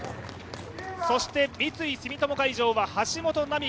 そして三井住友海上は橋本奈海。